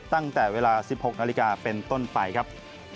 ตั้งแต่เวลา๑๖นาฬิกาเป็นต้นไปครับ